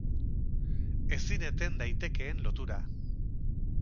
Ezin eten daitekeen lotura